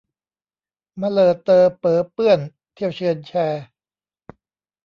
มะเลอเตอเป๋อเปื้อนเที่ยวเชือนแช